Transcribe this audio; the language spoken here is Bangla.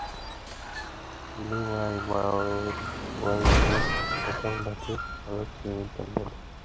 তিনি মাঈ মালওয়াইনের প্রথম নাতি খড়ক সিংয়ের জন্ম দেন।